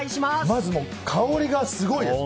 まず、香りがすごいです。